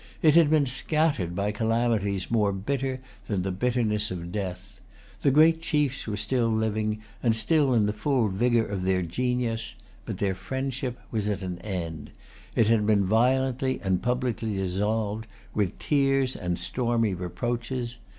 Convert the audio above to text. It had been scattered by calamities more bitter than the bitterness of death. The great chiefs were still living, and still in the full vigor of their genius. But their friendship was at an end. It had been violently and publicly dissolved, with tears and stormy reproaches.